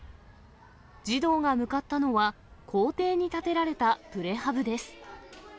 児童が向かったのは校庭に建てられたプレハブです。